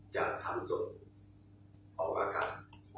จะทำศพออกอากาศ